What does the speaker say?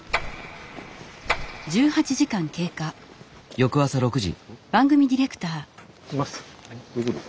翌朝６時。